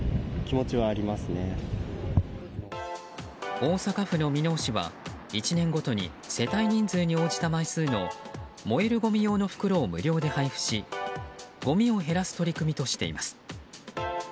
大阪府の箕面市は１年ごとに世帯人数に応じた枚数の燃えるごみ用の袋を無料で配布し、ごみを減らす取り組みとしています。